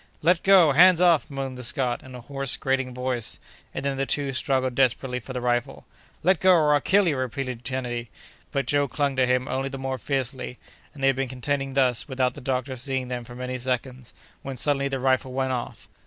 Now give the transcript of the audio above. "Let go! hands off!" moaned the Scot, in a hoarse, grating voice—and then the two struggled desperately for the rifle. "Let go, or I'll kill you!" repeated Kennedy. But Joe clung to him only the more fiercely, and they had been contending thus without the doctor seeing them for many seconds, when, suddenly the rifle went off.